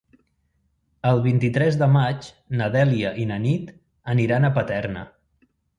El vint-i-tres de maig na Dèlia i na Nit aniran a Paterna.